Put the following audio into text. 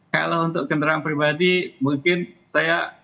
kalau untuk kendaraan pribadi mungkin saya